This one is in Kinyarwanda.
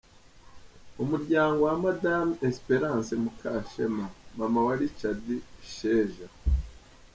Umuryango wa Madame Espérance Mukashema, Mama wa Richard Sheja